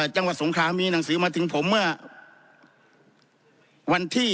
สงครามีหนังสือมาถึงผมเมื่อวันที่